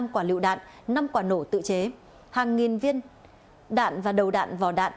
năm quả lựu đạn năm quả nổ tự chế hàng nghìn viên đạn và đầu đạn vỏ đạn